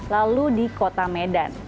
lalu di kota medan